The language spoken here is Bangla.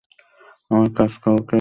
আমার কাজ কাউকে আঘাত করে না।